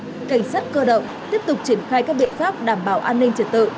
trật tự cảnh sát một trăm một mươi ba cảnh sát cơ động tiếp tục triển khai các biện pháp đảm bảo an ninh trật tự